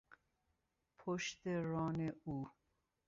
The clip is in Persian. پشت ران او